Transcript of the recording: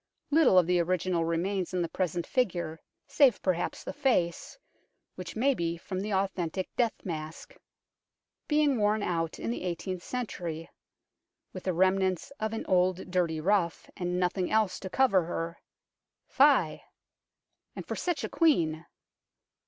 Little of the original remains in the present figure, save perhaps the face, which may be from the authentic death mask. Being worn out in the eighteenth century, " with the remnants of an old dirty ruff, and nothing else to cover her " fie ! and for such a Queen